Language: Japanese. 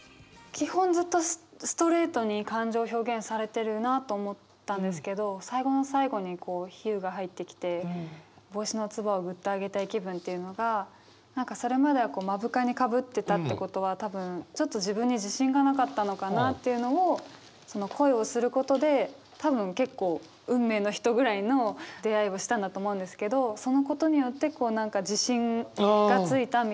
基本ずっとストレートに感情表現されてるなと思ったんですけど最後の最後に比喩が入ってきて「帽子のつばをぐっと上げたい気分」っていうのが何かそれまでは目深にかぶってたってことは多分ちょっと自分に自信がなかったのかなっていうのを恋をすることで多分結構運命の人ぐらいの出会いをしたんだと思うんですけどそのことによって自信がついたみたいな。